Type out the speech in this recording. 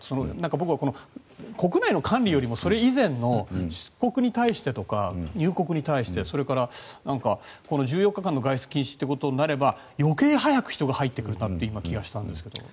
僕は国内の管理よりもそれ以前の出国に対してとか入国に対してそれから、この１４日間の外出禁止ということになれば余計早く人が入ってくるという気がしたんですけど。